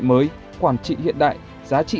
mới quản trị hiện đại giá trị